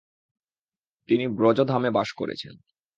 তিনি ব্রজধামে বাস করেছেন।